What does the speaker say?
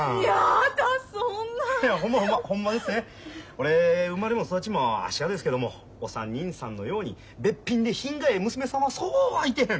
俺生まれも育ちも芦屋ですけどもお三人さんのようにべっぴんで品がええ娘さんはそうはいてへん。